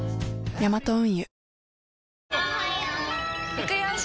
ヤマト運輸